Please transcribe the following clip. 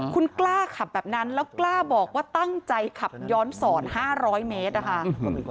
คุณกล้าขับแบบนั้นแล้วกล้าบอกว่าตั้งใจขับย้อนสอน๕๐๐เมตรนะคะ